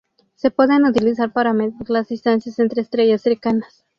Se puede utilizar para medir las distancias entre estrellas cercanas.